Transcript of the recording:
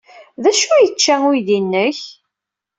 D acu ay yečča uydi-nnek?